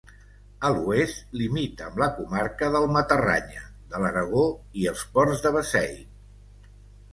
A l'oest limita amb la comarca del Matarranya, de l'Aragó, i els ports de Beseit.